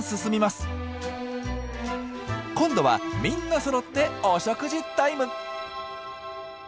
今度はみんなそろってお食事タイム。